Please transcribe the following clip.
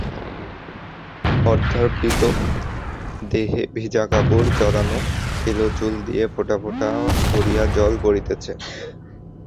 অর্ধাবৃত দেহে ভিজা কাপড় জড়ানো, এলোচুল দিয়া ফোঁটা ফোঁটা করিয়া জল পড়িতেছে।